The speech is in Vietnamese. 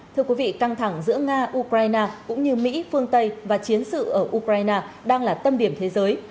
thưa quý vị căng thẳng giữa nga ukraine cũng như mỹ phương tây và chiến sự ở ukraine đang là tâm điểm thế giới